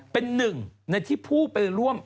เป็นหนึ่งในที่ผู้ไปร่วม